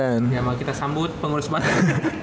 ya makanya kita sambut pengurus banten